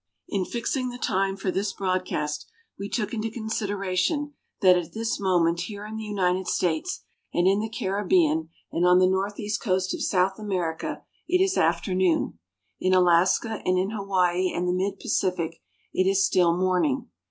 In fixing the time for this broadcast, we took into consideration that at this moment here in the United States, and in the Caribbean and on the Northeast Coast of South America, it is afternoon. In Alaska and in Hawaii and the mid Pacific, it is still morning.